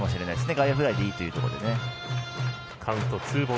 外野フライでいいというところで。